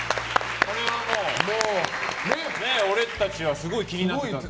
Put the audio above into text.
これはもう俺たちはすごい気になってました。